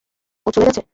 ও চলে গেছে?